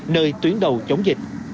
nơi tuyến đầu chống dịch